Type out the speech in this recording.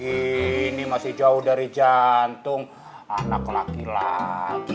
ini masih jauh dari jantung anak laki laki